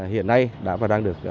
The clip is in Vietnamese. hiện nay đã và đang được